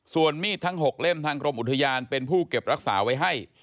ส่วนมีดทั้ง๖เล่มทางกรมอุทยานเป็นผู้เก็บรักษาไว้ให้